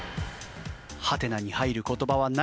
「ハテナ」に入る言葉は何？